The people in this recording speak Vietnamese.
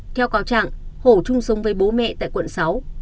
theo cáo trạng hổ chung sống với bố mẹ tại quận sáu